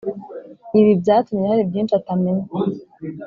ibi byatumye hari byinshi atamenya “